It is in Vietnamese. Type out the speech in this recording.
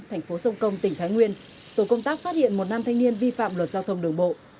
thành phố sông công tỉnh thái nguyên tổ công tác phát hiện một nam thanh niên vi phạm luật giao thông đường bộ